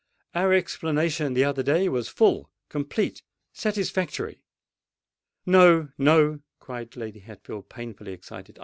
Our explanation the other day was full—complete—satisfactory——" "No—no," cried Lady Hatfield, painfully excited.